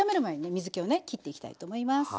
水けをねきっていきたいと思います。